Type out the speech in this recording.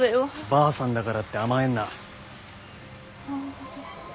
ばあさんだからって甘えんな。